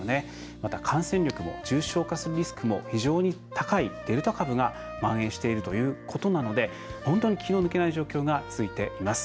また感染力や重症化するリスクも非常に高いデルタ株がまん延しているということなので気の抜けない状況が続いています。